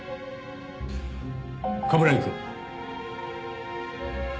冠城くん！